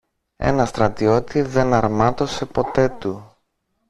Ένα στρατιώτη δεν αρμάτωσε ποτέ του.